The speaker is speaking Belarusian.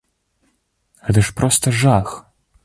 Гэта ж проста жах!